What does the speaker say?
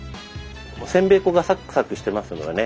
せんべい粉がサクサクしてますのでね